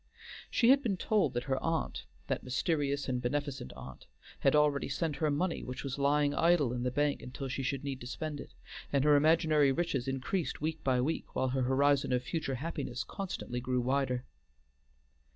She had been told that her aunt that mysterious and beneficent aunt had already sent her money which was lying idle in the bank until she should need to spend it, and her imaginary riches increased week by week, while her horizon of future happiness constantly grew wider.